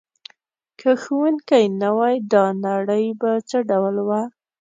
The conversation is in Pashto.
که ښوونکی نه وای دا نړۍ به څه ډول وه؟